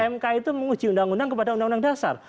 mk itu menguji undang undang kepada undang undang dasar